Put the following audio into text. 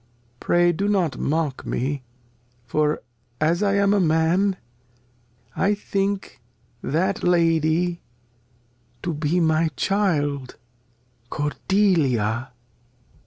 Pray do not mock me. For, as I am a Man, I think that Lady To be my Child Cordelia.